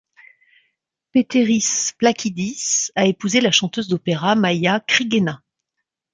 Pēteris Plakidis a épousé la chanteuse d’opéra Maija Krīgena.